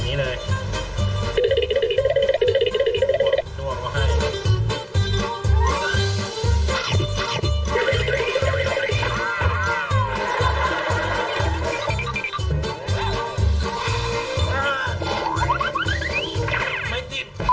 ไม่ติดไม่ติดไม่ได้ติดโควิด